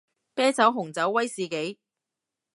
啤酒紅酒威士忌